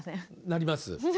なります。